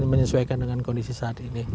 menyesuaikan dengan kondisi saat ini